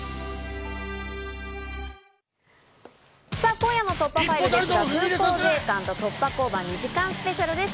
今夜の『突破ファイル』ですが、空港税関と突破交番２時間スペシャルです。